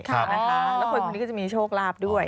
แล้วคนคนนี้ก็จะมีโชคลาภด้วย